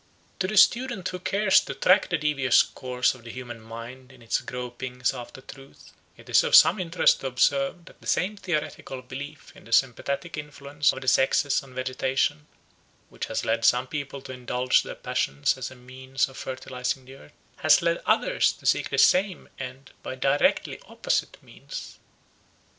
To the student who cares to track the devious course of the human mind in its gropings after truth, it is of some interest to observe that the same theoretical belief in the sympathetic influence of the sexes on vegetation, which has led some peoples to indulge their passions as a means of fertilising the earth, has led others to seek the same end by directly opposite means.